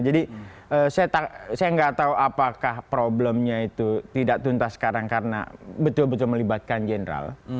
jadi saya nggak tahu apakah problemnya itu tidak tuntas sekarang karena betul betul melibatkan jenderal